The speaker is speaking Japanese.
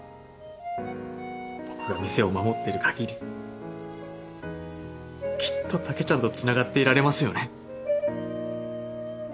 僕が店を守ってるかぎりきっと竹ちゃんとつながっていられますよね。